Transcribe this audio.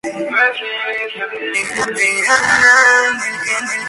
Colaboró, además, en prácticamente la totalidad de la prensa publicada en la zona franquista.